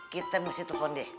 kita mesti tukun deh